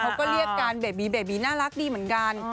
เขาก็เรียกกันเบบีเบบีน่ารักดีเหมือนกัน